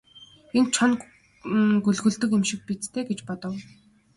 Энд чоно гөлөглөдөг юм биш биз дээ гэж бодов.